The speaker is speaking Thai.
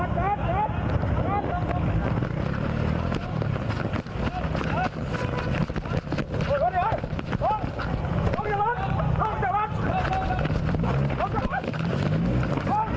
ขอโทษนะคุณที่สุดท้าย